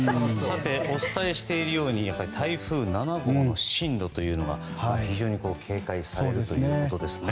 お伝えしているように台風７号の進路というのが非常に警戒されるということですね。